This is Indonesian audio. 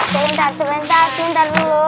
sebentar sebentar dulu